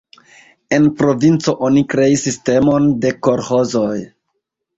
En provinco oni kreis sistemon de kolĥozoj.